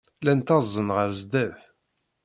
Llan ttaẓen ɣer sdat.